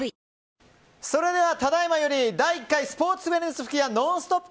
それでは、ただ今より第１回スポーツウエルネス吹矢「ノンストップ！」